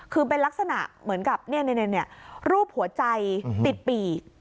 คือเป็นลักษณะเหมือนกับรูปหัวใจติดปีก